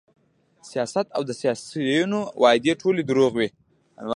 سیاست او د سیاسیونو وعدې ټولې دروغ وې